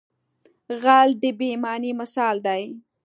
غل د بې ایمانۍ مثال دی